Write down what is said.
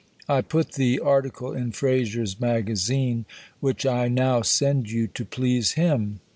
I put the article in Fraser's Magazine (which I now send you) to please him.